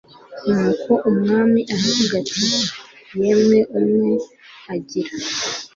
nuko umwami aravuga ati yemwe umwe agira